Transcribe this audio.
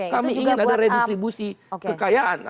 kami ingin ada redistribusi kekayaan